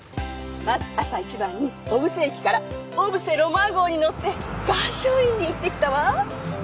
まず朝一番に小布施駅からおぶせロマン号に乗って岩松院に行ってきたわ。